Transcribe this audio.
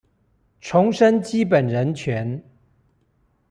重申基本人權